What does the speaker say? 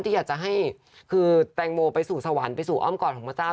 ที่อยากจะให้คือแตงโมไปสู่สวรรค์ไปสู่อ้อมกอดของพระเจ้า